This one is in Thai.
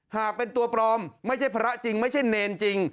หากเป็นตัวปลอมไม่ใช่พระจริงไม่ใช่เนรจริง